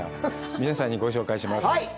皆さんにご紹介します